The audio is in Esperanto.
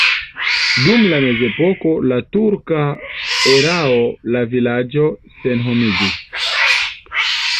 Dum mezepoko la turka erao la vilaĝo senhomiĝis.